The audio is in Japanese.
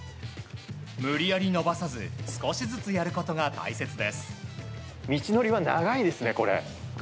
無理やり伸ばさず少しずつやることが大切です。